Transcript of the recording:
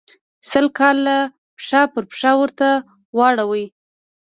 سل کاله پښه پر پښه ورته واړوي.